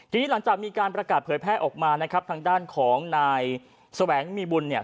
ทีนี้หลังจากมีการประกาศเผยแพร่ออกมานะครับทางด้านของนายแสวงมีบุญเนี่ย